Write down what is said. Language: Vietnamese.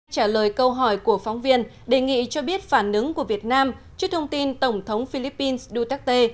trả lời câu hỏi của phóng viên đề nghị cho biết phản ứng của việt nam trước thông tin tổng thống philippines duterte